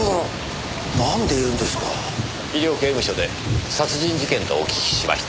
医療刑務所で殺人事件とお聞きしまして。